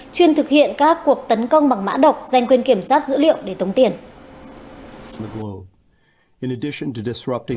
chuyên thực hiện các cuộc tấn công bằng mã độc dành quyền kiểm soát dữ liệu để tống tiền